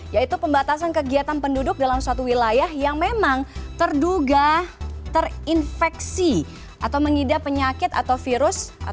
yaitu pembatasan kegiatan penduduk dalam suatu wilayah yang memang terduga terinfeksi atau mengidap penyakit atau virus